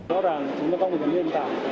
nói rằng chúng ta có một nguyên tả